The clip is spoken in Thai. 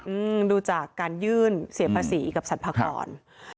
อืมดูจากการยื่นเสียภาษีกับสรรพากร